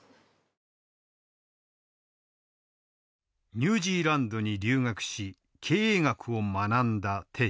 ニュージーランドに留学し経営学を学んだ。